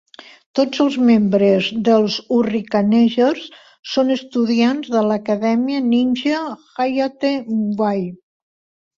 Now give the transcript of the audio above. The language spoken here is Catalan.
Tots els membres dels Hurricanegers són estudiants de l'Acadèmia Ninja Hayate Way.